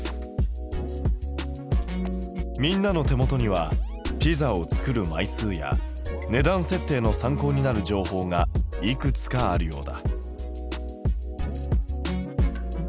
みんなの手元にはピザを作る枚数や値段設定の参考になる情報がいくつかあるようだ。